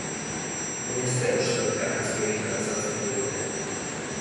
Baina, zer uste dute argazki horietan azaltzen diren umeek?